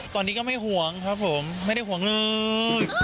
ตอนนี้ก็ไม่ห่วงครับผมไม่ได้ห่วงเลย